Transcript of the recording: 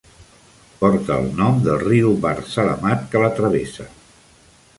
Porta el nom del riu Bahr Salamat que la travessa.